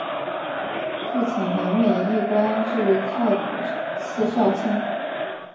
父亲杨美益官至太仆寺少卿。